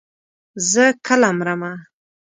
زه کله مرمه.